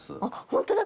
ホントだ！